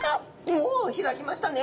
おお開きましたね。